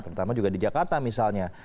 terutama juga di jakarta misalnya